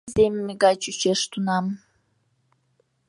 Иземме гай чучеш тунам.